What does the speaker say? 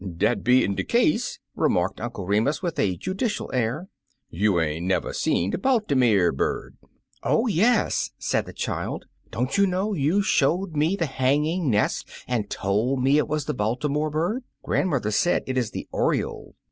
Dat bein' de case," remarked Uncle Remus with a judicial air, "you ain't never is see de Baltimer bird.'' *'0h, yesi" said the child; "don't you know you showed me the hanging nest, and told me it was the Baltimore bird ? Grand mother says it is the oriole."